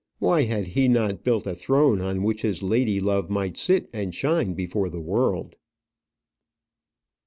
Why had he not built a throne on which his lady love might sit and shine before the world?